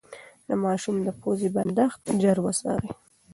د ماشوم د پوزې بندښت ژر وڅارئ.